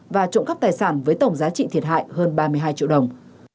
và trộm cắp tài sản với tổng giá trị thiệt hại hơn ba mươi hai triệu đồng